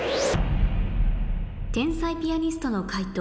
天才ピアニストの解答